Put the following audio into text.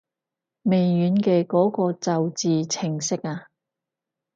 微軟嘅嗰個造字程式啊